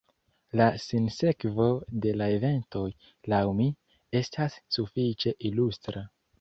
La sinsekvo de la eventoj, laŭ mi, estas sufiĉe ilustra.